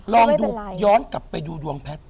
ลองดูย้อนกลับไปดูดวงแพทย์